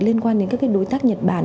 liên quan đến các cái đối tác nhật bản